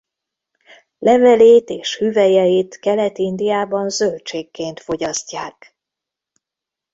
Levelét és hüvelyeit Kelet-Indiában zöldségként fogyasztják.